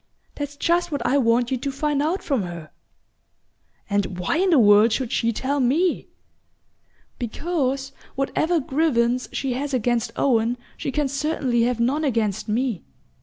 "That's just what I want you to find out from her." "And why in the world should she tell me?" "Because, whatever grievance she has against Owen, she can certainly have none against me.